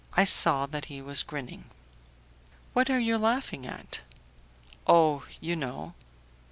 I saw that he was grinning. "What are you laughing at?" "Oh! you know."